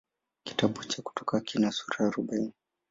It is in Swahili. Kitabu cha Kutoka kina sura arobaini.